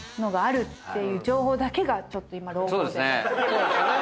そうですね。